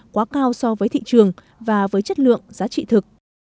quá cao so với thị trường và với chất lượng giá trị thực